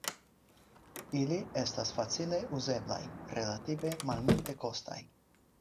Ili estas facile uzeblaj, relative malmultekostaj.